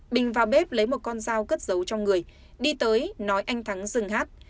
bình vào bếp lấy một con dao cất dấu cho người đi tới nói anh thắng dừng hát